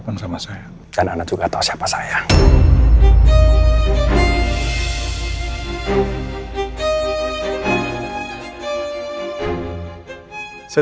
pak maaf pak saya turun di sana saja pak